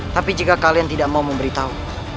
tapi jika kalian tidak mau memberitahu